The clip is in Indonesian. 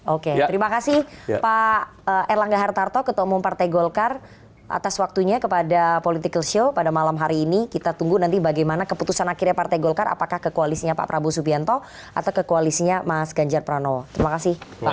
oke terima kasih pak erlangga hartarto ketua umum partai golkar atas waktunya kepada political show pada malam hari ini kita tunggu nanti bagaimana keputusan akhirnya partai golkar apakah ke koalisnya pak prabowo subianto atau ke koalisnya mas ganjar pranowo terima kasih